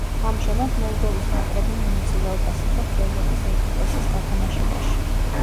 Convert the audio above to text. ამჟამად მოლდოვის ნაკრები მონაწილეობას იღებს ევროპის ერთა თასის გათამაშებაში.